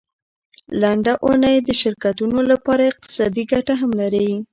لنډه اونۍ د شرکتونو لپاره اقتصادي ګټه هم لري.